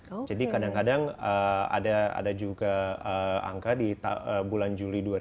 oke jadi kadang kadang ada yang mengatakan bahwa polusi udara ini tidak selalu berdampak kepada polusi udara